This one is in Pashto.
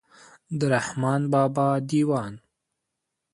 د رحمان بابا دېوان.